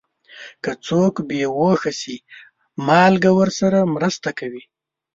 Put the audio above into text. که څوک بې هوښه شي، مالګه ورسره مرسته کوي.